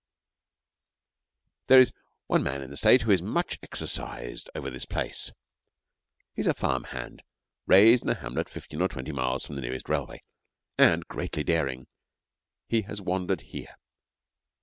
There is one man in the State who is much exercised over this place. He is a farm hand, raised in a hamlet fifteen or twenty miles from the nearest railway, and, greatly daring, he has wandered here.